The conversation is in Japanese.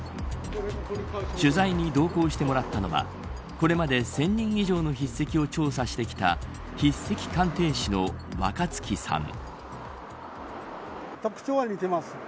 取材に同行してもらったのはこれまで１０００人以上の筆跡を調査してきた筆跡鑑定士の若槻さん。